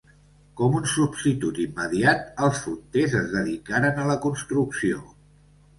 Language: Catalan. Com un substitut immediat, els fonters es dedicaren a la construcció.